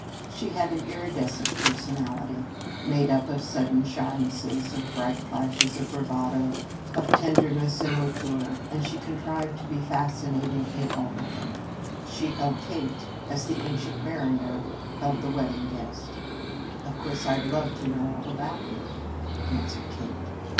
She had an iridescent personality, made up of sudden shynesses, of bright flashes of bravado, of tenderness and hauteur, and she contrived to be fascinating in all of them. She held Kate as the Ancient Mariner held the wedding guest. "Of course I'd love to know all about you," answered Kate.